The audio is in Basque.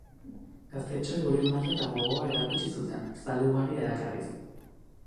Gaztetxoek euren maila eta gogoa erakutsi zuten, zale ugari erakarriz.